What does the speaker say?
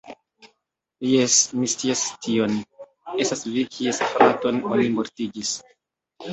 Jes, mi scias tion. Estas vi kies fraton oni mortigis